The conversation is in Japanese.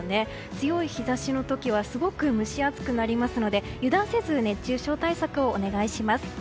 強い日差しの時はすごく蒸し暑くなりますので油断せず熱中症対策をお願いします。